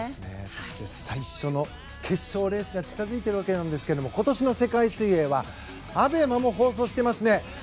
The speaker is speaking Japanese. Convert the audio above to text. そして最初の決勝レースが近づいているわけですが今年の世界水泳はＡＢＥＭＡも放送していますね。